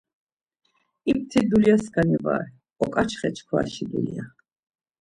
İpti dulyaskani vare, oǩaçxe çkvaşi dulya.